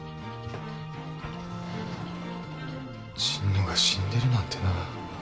神野が死んでるなんてな。